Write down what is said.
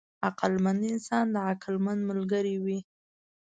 عقلمند انسان د عقلمند ملګری وي.